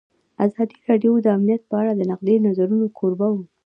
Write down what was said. ازادي راډیو د امنیت په اړه د نقدي نظرونو کوربه وه.